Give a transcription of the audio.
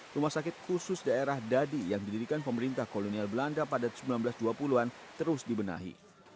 rumah sakit khusus daerah dadi yang didirikan pemerintah kolonial belanda pada seribu sembilan ratus dua puluh an terus dibenahi